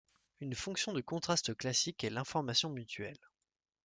Une fonction de contraste classique est l'information mutuelle.